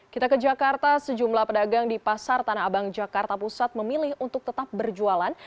kita ke jakarta sejumlah pedagang di pasar tanah abang jakarta pusat memilih untuk tetap berjualan